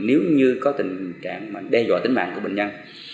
nếu như có tình trạng đe dọa tính mạng của bệnh nhân